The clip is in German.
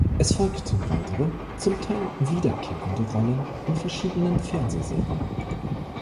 Es folgten weitere, zum Teil wiederkehrende Rollen in verschiedenen Fernsehserien.